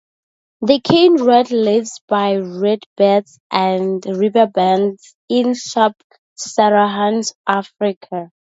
The cane rat lives by reed-beds and riverbanks in Sub-Saharan Africa.